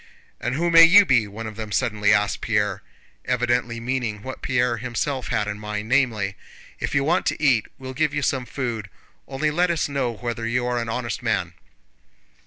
"And who may you be?" one of them suddenly asked Pierre, evidently meaning what Pierre himself had in mind, namely: "If you want to eat we'll give you some food, only let us know whether you are an honest man."